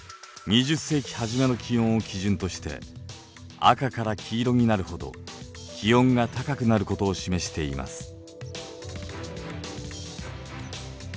２０世紀初めの気温を基準として赤から黄色になるほど気温が高くなることを示しています。